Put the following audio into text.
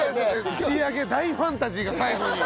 打ち上げ大ファンタジーが最後に。